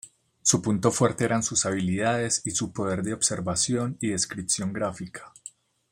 Su punto fuerte eran sus habilidades y su poder de observación y descripción gráfica.